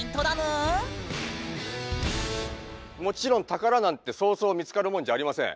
もちろん宝なんてそうそう見つかるもんじゃありません。